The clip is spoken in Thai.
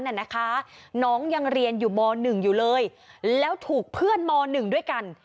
น่ะนะคะน้องยังเรียนอยู่ม๑อยู่เลยแล้วถูกเพื่อนมหนึ่งด้วยกัน